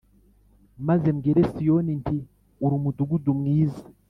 maze mbwire Siyoni nti uri umudugudu mwiza